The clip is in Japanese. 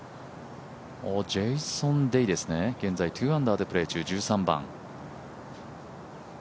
ジェイソン・デイですね、現在２アンダーでプレー中、１３番。